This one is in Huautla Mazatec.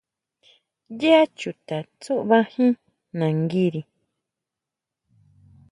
¿ʼYá chuta tsuʼbajín nanguiri?